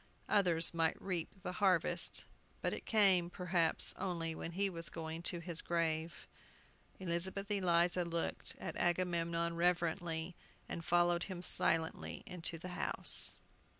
Others might reap the harvest, but it came, perhaps, only when he was going to his grave. Elizabeth Eliza looked at Agamemnon reverently, and followed him silently into the house.